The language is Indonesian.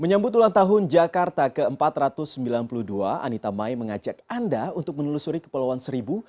menyambut ulang tahun jakarta ke empat ratus sembilan puluh dua anita mai mengajak anda untuk menelusuri kepulauan seribu